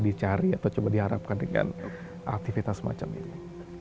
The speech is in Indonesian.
apa yang coba kita cari atau coba diharapkan dengan aktivitas semacam ini